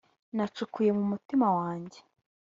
nacukuye mu mutima wanjye,